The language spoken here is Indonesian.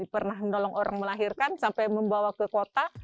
pernah menolong orang melahirkan sampai membawa ke kota